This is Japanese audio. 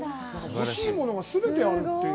欲しいものが全てあるという。